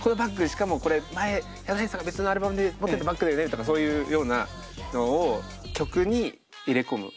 しかもこれ前ヒャダインさんが別のアルバムで持ってたバッグだよねとかそういうようなのを曲に入れ込む。